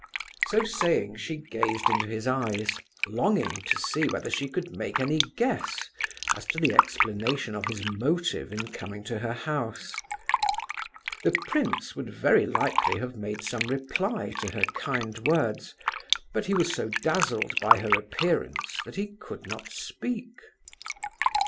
So saying she gazed into his eyes, longing to see whether she could make any guess as to the explanation of his motive in coming to her house. The prince would very likely have made some reply to her kind words, but he was so dazzled by her appearance that he could not speak.